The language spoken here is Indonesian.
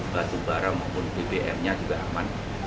batu bara maupun bbm nya juga aman